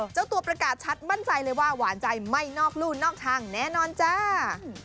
เจ้าตัวประกาศชัดมั่นใจเลยว่าหวานใจไม่นอกลู่นอกทางแน่นอนจ้า